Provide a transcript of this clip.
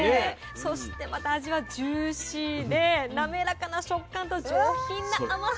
そしてまた味はジューシーで滑らかな食感と上品な甘さが特徴なんですよ。